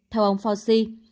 theo ông fauci